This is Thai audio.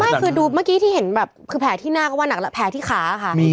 ไม่คือดูเมื่อกี้ที่เห็นแบบคือแผลที่หน้าก็ว่านักแล้วแผลที่ขาค่ะ